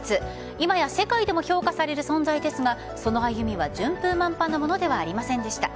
今や世界でも評価される存在ですがその歩みは、順風満帆なものではありませんでした。